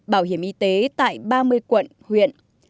bảo hiểm y tế tại ba mươi quận huyện